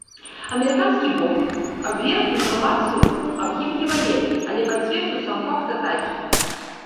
Амерыканскі бок абверг інфармацыю аб гібелі ваенных, але пацвердзіў сам факт атакі.